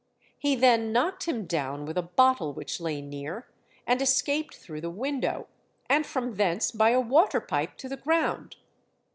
He then knocked him down with a bottle which lay near, and escaped through the window, and from thence by a water pipe to the ground.